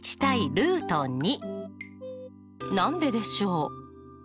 何ででしょう？